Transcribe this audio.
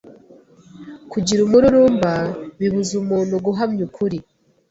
Kugira umururumba bibuza umuntu guhamya ukuri.